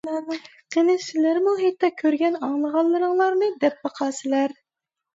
قېنى سىلەرمۇ ھېيتتا كۆرگەن ئاڭلىغانلىرىڭلارنى دەپ باقارسىلەر!